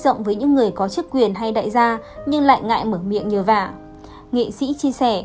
rộng với những người có chức quyền hay đại gia nhưng lại ngại mở miệng như vả nghệ sĩ chia sẻ